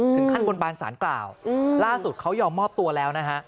ถึงขั้นบนบานสารกล่าวล่าสุดเขายอมมอบตัวแล้วนะฮะ